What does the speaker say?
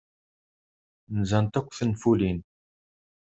Nzant akk tenfulin.